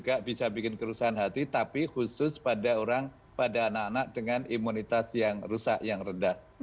tidak bisa bikin kerusahan hati tapi khusus pada orang pada anak anak dengan imunitas yang rusak yang rendah